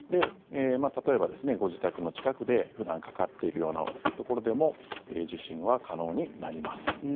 例えばですね、ご自宅の近くで普段かかっているようなところでも受診は可能になります。